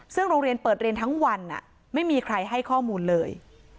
ซึ่งโรงเรียนเปิดเรียนทั้งวันไม่มีใครให้ข้อมูลเลย